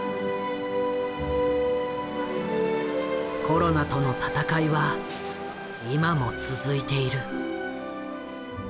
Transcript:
コロナとの闘いは今も続いている。